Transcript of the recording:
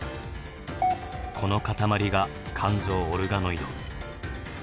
この塊が肝臓オルガノイド。